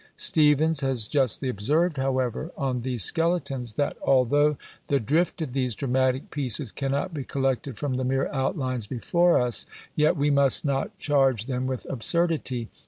Steevens has justly observed, however, on these skeletons, that although "the drift of these dramatic pieces cannot be collected from the mere outlines before us, yet we must not charge them with absurdity.